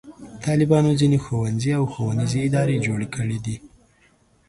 طالبانو ځینې ښوونځي او ښوونیزې ادارې جوړې کړې دي.